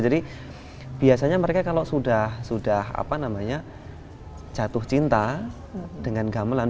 jadi biasanya mereka kalau sudah jatuh cinta dengan gamelan